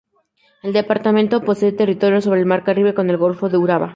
El departamento posee territorio sobre el mar Caribe, con el golfo de Urabá.